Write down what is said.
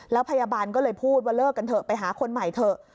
แล้วพยาบาลก็เลยพูดว่าเลิกกันเถอะไปหาคนใหม่เถอะ